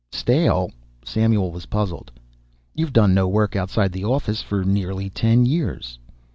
"Stale?" Samuel was puzzled. "You've done no work outside the office for nearly ten years?"